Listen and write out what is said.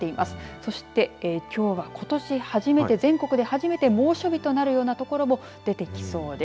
そして、きょうはことし初めて猛暑日となるような所も出てきそうです。